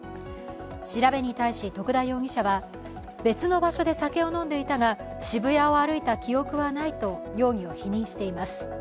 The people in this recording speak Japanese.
調べに対し徳田容疑者は、別の場所で酒を飲んでいたが渋谷を歩いた記憶はないと容疑を否認しています。